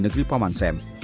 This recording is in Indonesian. di negeri pamansem